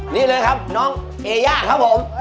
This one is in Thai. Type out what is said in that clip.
นี่เลยครับน้องเอย่าครับผม